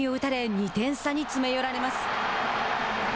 ２点差に詰め寄られます。